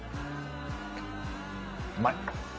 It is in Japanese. うまい！